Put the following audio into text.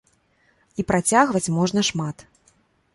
І працягваць можна шмат.